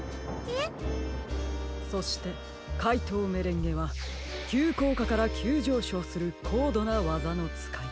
そしてかいとうメレンゲはきゅうこうかからきゅうじょうしょうするこうどなわざのつかいて。